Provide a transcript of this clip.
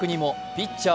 ピッチャー